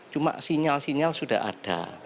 cuma sinyal sinyal sudah ada